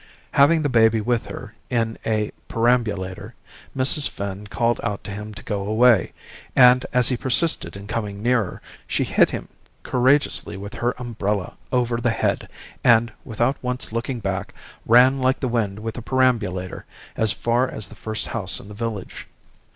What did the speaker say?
Having the baby with her in a perambulator, Mrs. Finn called out to him to go away, and as he persisted in coming nearer, she hit him courageously with her umbrella over the head and, without once looking back, ran like the wind with the perambulator as far as the first house in the village.